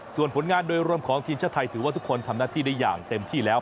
ส่วนผลงานโดยรวมของทีมชาติไทยถือว่าทุกคนทำหน้าที่ได้อย่างเต็มที่แล้ว